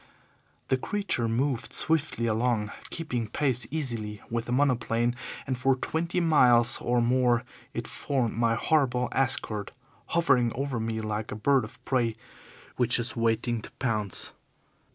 The creature moved swiftly along, keeping pace easily with the monoplane, and for twenty miles or more it formed my horrible escort, hovering over me like a bird of prey which is waiting to pounce.